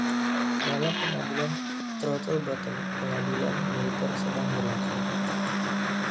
Dalam "Pengadilan Throttlebottom" pengadilan militer sedang berlangsung.